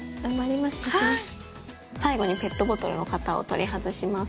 最後にペットボトルの型を取り外します。